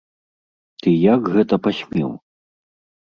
Ты як гэта пасмеў?